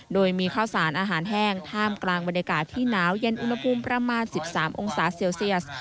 โดยมีข้าวสารอาหารแห้งท่ามกลางบรรยากาศที่หนาวเย็นอุณหภูมิประมาณ๑๓องศาเซลเซียส